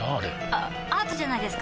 あアートじゃないですか？